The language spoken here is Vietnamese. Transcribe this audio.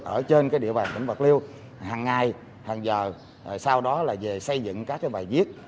ở trên địa bàn tỉnh bạc liêu hàng ngày hàng giờ sau đó là về xây dựng các bài viết